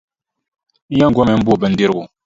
N yɛn gomi m-bo bindirigu.